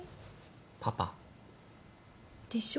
パパ？でしょ？